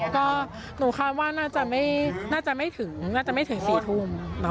ก็หนูคาวว่าน่าจะไม่ถึง๔ทุ่ม